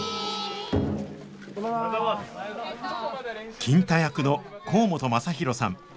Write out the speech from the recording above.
金太役の甲本雅裕さん。